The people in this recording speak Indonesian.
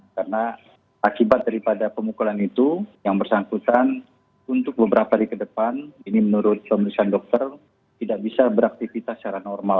karena akibat daripada pemukulan itu yang bersangkutan untuk beberapa hari ke depan ini menurut pemeriksaan dokter tidak bisa beraktivitas secara normal